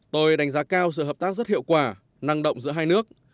tôi đánh giá cao sự hợp tác rất hiệu quả năng động giữa hai nước